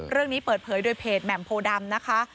เรื่องนี้เปิดเผยโดยเพจแหม่มโพดำนะคะ